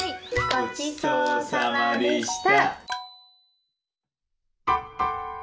ごちそうさまでした。